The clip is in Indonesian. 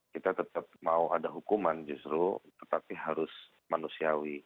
kita tetap mau ada hukuman justru tetapi harus manusiawi